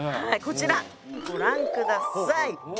こちらご覧下さい。